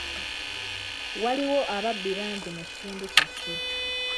Waliwo ababbi bangi mu kitundu kyaffe.